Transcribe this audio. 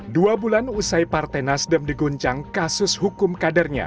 dua bulan usai partai nasdem diguncang kasus hukum kadernya